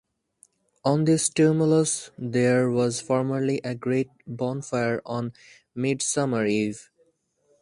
On this tumulus there was formerly a great bonfire on Midsummer Eve.